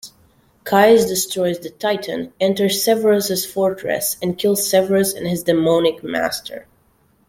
Kais destroys the Titan, enters Severus' fortress, and kills Severus and his daemonic master.